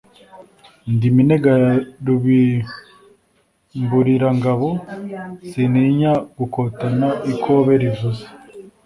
Ndi Minega ya Rubimbulirangabo, sintiya gukotana ikobe livuze